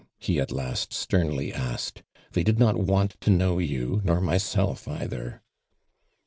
he at last Btemly asktd. "They did not want to know you nor myself either."